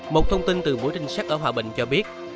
một thông tin từ buổi tinh sát ở hòa bình cho biết